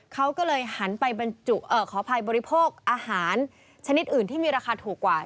เขาก็เลยหันไปบริโภคอาหารชนิดอื่นที่มีราคาถูกกว่า